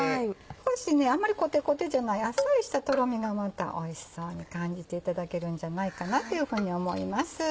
あんまりコテコテじゃないあっさりしたとろみがまたおいしそうに感じていただけるんじゃないかなと思います。